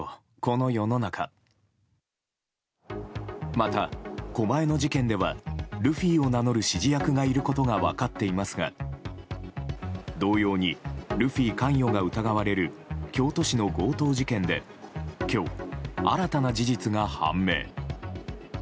また、狛江の事件ではルフィを名乗る指示役がいることが分かっていますが同様に、ルフィ関与が疑われる京都市の強盗事件で今日、新たな事実が判明。